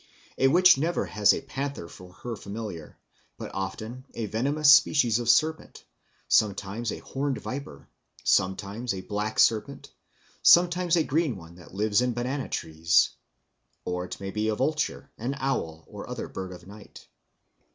A witch never has a panther for her familiar, but often a venomous species of serpent, sometimes a horned viper, sometimes a black serpent, sometimes a green one that lives in banana trees; or it may be a vulture, an owl, or other bird of night.